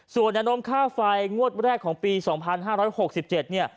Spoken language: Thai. ส่วนยานมค่าไฟงวดแรกของปี๒๕๖๗